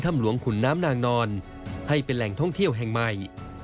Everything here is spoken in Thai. หลวงขุนน้ำนางนอนให้เป็นแหล่งท่องเที่ยวแห่งใหม่